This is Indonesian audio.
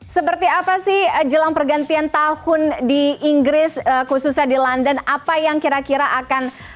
seperti apa sih jelang pergantian tahun di inggris khususnya di london apa yang kira kira akan